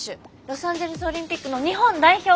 ロサンジェルスオリンピックの日本代表！